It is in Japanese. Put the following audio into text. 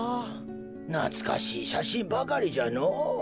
なつかしいしゃしんばかりじゃのう。